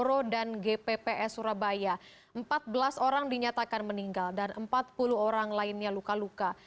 empat belas orang dinyatakan meninggal dan empat puluh orang lainnya luka luka